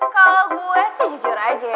kalau gue sih jujur aja ya